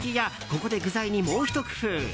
ここで具材にもうひと工夫。